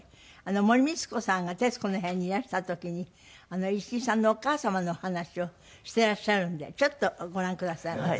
森光子さんが『徹子の部屋』にいらした時に石井さんのお母様のお話をしてらっしゃるんでちょっとご覧くださいませ。